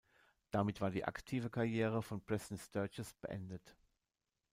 Damit war die aktive Karriere von Preston Sturges beendet.